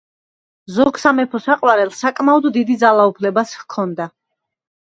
ზოგ სამეფო საყვარელს საკმაოდ დიდი ძალაუფლებაც ჰქონდა.